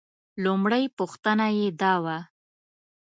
لومړۍ پوښتنه یې دا وه.